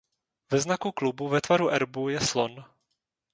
Ve znaku klubu ve tvaru erbu je slon.